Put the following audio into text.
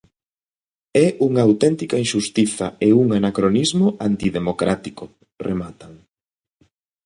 "É unha auténtica inxustiza e un anacronismo antidemocrático", rematan.